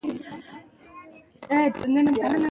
غږ په ډېر مهارت سره د ده روح ته ننووت.